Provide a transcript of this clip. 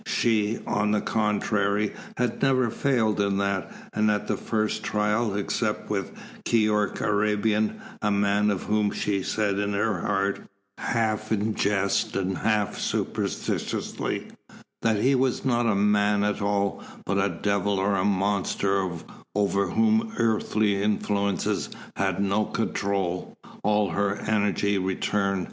She, on the contrary, had never failed in that, and at the first trial, except with Keyork Arabian, a man of whom she said in her heart, half in jest and half superstitiously, that he was not a man at all, but a devil or a monster over whom earthly influences had no control. All her energy returned.